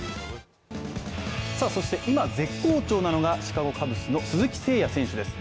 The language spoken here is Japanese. そして今、絶好調なのがシカゴ・カブスの鈴木誠也選手です。